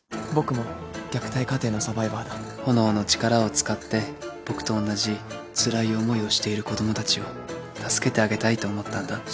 「僕も虐待家庭のサバイバーだ」「炎の力を使って僕と同じつらい思いをしている子供たちを助けてあげたいと思ったんだ」